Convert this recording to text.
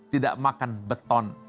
tidak makan beton